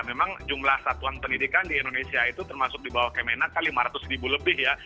memang jumlah satuan pendidikan di indonesia itu termasuk di bawah kemenang kan lima ratus ribu lebih ya